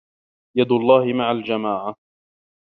يَدُ اللهِ مَعَ الجَمَاعَةِ